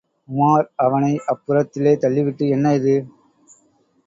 உமார் அவனை அப்புறத்திலே தள்ளிவிட்டு, என்ன இது?